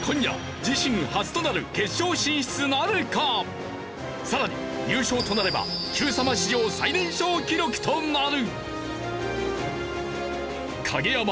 今夜さらに優勝となれば『Ｑさま！！』史上最年少記録となる。